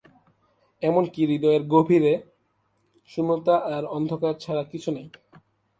এমনকি হৃদয়ের গভীরে শূন্যতা আর অন্ধকার ছাড়া কিছু নেই।